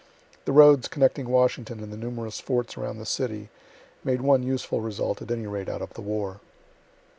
The roads connecting Washington and the numerous forts around the city, made one useful result, at any rate, out of the war.